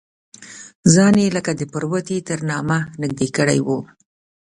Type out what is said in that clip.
ځان یې لکه د پروتې تر نامه نږدې کړی و.